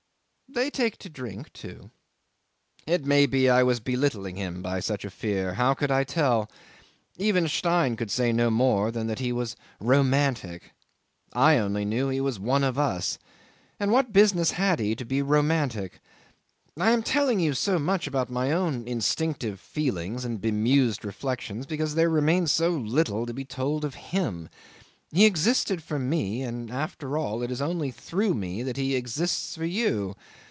They take to drink too. It may be I was belittling him by such a fear. How could I tell? Even Stein could say no more than that he was romantic. I only knew he was one of us. And what business had he to be romantic? I am telling you so much about my own instinctive feelings and bemused reflections because there remains so little to be told of him. He existed for me, and after all it is only through me that he exists for you.